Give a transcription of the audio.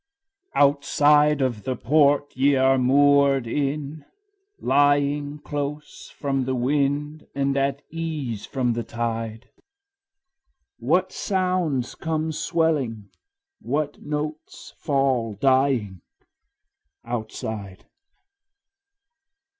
II. Outside of the port ye are moored in, lying Close from the wind and at ease from the tide, What sounds come swelling, what notes fall dying Outside?